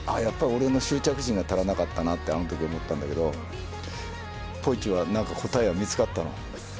俺の執着心が足らなかったなとあのとき思ったんだけどコーチは何か答え見つかったの。